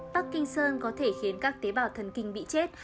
parkinson có thể khiến các tế bào thần kinh bị chết